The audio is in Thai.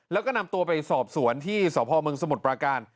แล้วก็นำตัวไปสอบสวนที่สพเมืองสมุทรปราการ